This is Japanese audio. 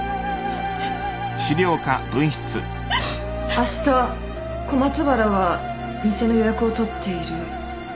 あした小松原は店の予約を取っている。